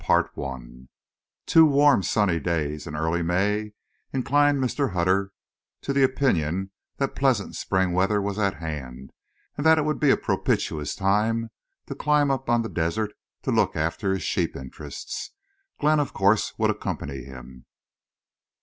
CHAPTER IV Two warm sunny days in early May inclined Mr. Hutter to the opinion that pleasant spring weather was at hand and that it would be a propitious time to climb up on the desert to look after his sheep interests. Glenn, of course, would accompany him.